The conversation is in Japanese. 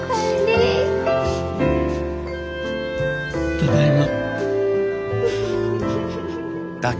ただいま。